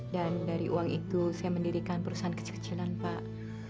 dan dari uang itu saya mendirikan perusahaan kekecilan pak